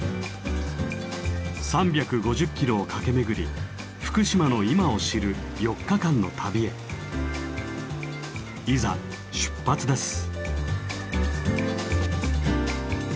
３５０キロを駆け巡り福島の今を知る４日間の旅へいざ出発です。